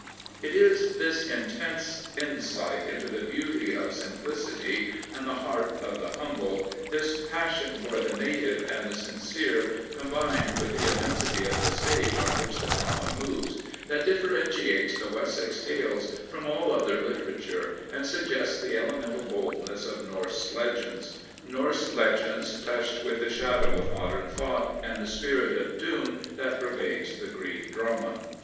It is this intense insight into the beauty of sim plicity and the heart of the humble, this passion for the native and the sincere, combined with the im mensity of the stage on which the drama moves, that 307 Prophets, Priests, and Kings differentiates the Wessex tales from all other litera ture and suggests the elemental boldness of Norse legends — Norse legends touched with the shadow of modern thought and the spirit of doom that pervades the Greek di'ama.